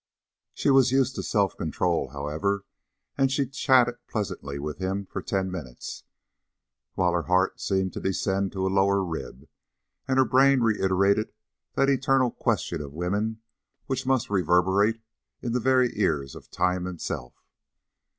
She was used to self control, however, and she chatted pleasantly with him for ten minutes, while her heart seemed to descend to a lower rib, and her brain reiterated that eternal question of woman which must reverberate in the very ears of Time himself.